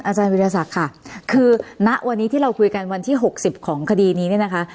วิทยาศักดิ์ค่ะคือณวันนี้ที่เราคุยกันวันที่๖๐ของคดีนี้เนี่ยนะคะ